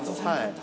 はい。